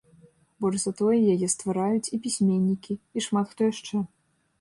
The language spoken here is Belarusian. Больш за тое, яе ствараюць і пісьменнікі, і шмат хто яшчэ.